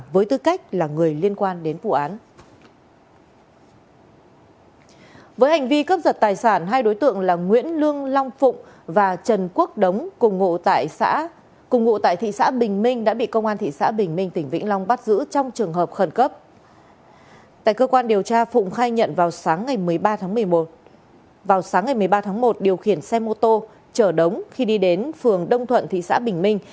vào sáng ngày một mươi ba tháng một điều khiển xe mô tô chở đống khi đi đến phường đông thuận thị xã bình minh